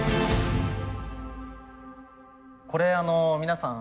これ皆さん